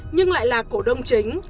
nhưng lại là cổ đông chính